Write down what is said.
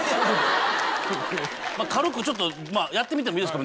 「軽くやってみてもいいですか」